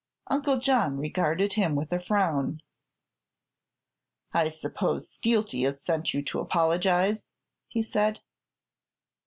Uncle John regarded him with a frown. "I suppose Skeelty has sent you to apologize," he said.